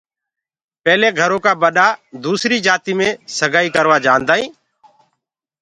پيلي گھرو ڪآ ٻڏآ سگائي دوسري جآتي مي سگائي ڪروآ جاندآ هينٚ۔